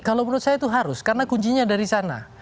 kalau menurut saya itu harus karena kuncinya dari sana